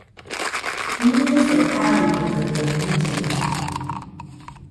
¿Nɨese aɨdɨkaɨ kaɨ guillena?